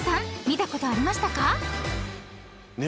見たことありましたか？］